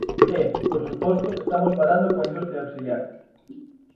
E, por suposto, estamos falando coa industria auxiliar.